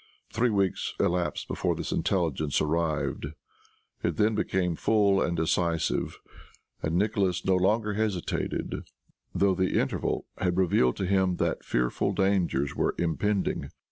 Three weeks elapsed before this intelligence arrived. It then came full and decisive, and Nicholas no longer hesitated, though the interval had revealed to him that fearful dangers were impending.